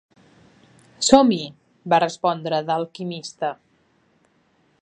"Som-hi", va respondre d'alquimista.